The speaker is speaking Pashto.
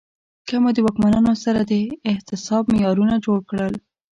که مو د واکمنانو سره د احتساب معیارونه جوړ کړل